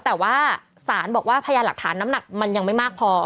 แต่ว่าศาลบอกว่าพยานหลักฐานน้ำหนักมันยังไม่มากพอ